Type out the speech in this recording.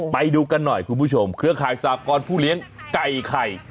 ไปดูกันหน่อยคุณผู้ชมเครือข่ายสากรผู้เลี้ยงไก่ไข่